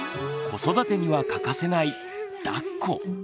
子育てには欠かせない「だっこ」。